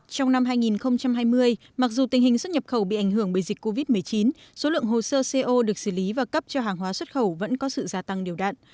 trong năm hai nghìn hai mươi mặc dù tình hình xuất nhập khẩu bị ảnh hưởng bởi dịch covid một mươi chín số lượng hồ sơ co được xử lý và cấp cho hàng hóa xuất khẩu vẫn có sự gia tăng điều đạn